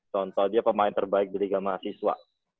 contoh dia pemain terbaik di liga mahasiswa